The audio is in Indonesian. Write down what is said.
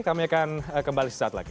kami akan kembali sesaat lagi